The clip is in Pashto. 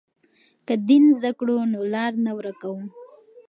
که دین زده کړو نو لار نه ورکوو.